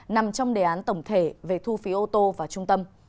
nằm trong đề án tổng thể về thu phí ô tô vào trung tâm